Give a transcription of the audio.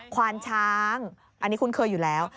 ควานช้างอันนี้คุ้นเคยอยู่แล้ว